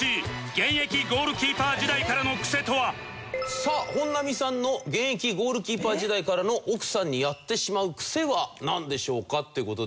さあ本並さんの現役ゴールキーパー時代からの奥さんにやってしまうクセはなんでしょうかっていう事で。